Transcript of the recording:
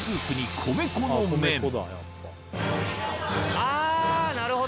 あなるほど！